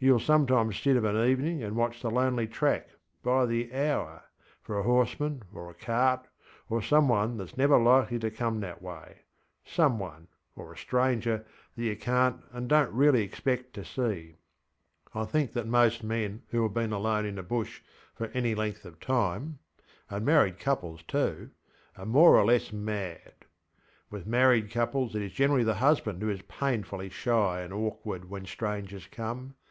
YouŌĆÖll sometimes sit of an evening and watch the lonely track, by the hour, for a horseman or a cart or some one thatŌĆÖs never likely to come that wayŌĆösome one, or a stranger, that you canŌĆÖt and donŌĆÖt really expect to see. I think that most men who have been alone in the Bush for any length of timeŌĆöand married couples tooŌĆöare more or less mad. With married couples it is generally the husband who is painfully shy and awkward when strangers come.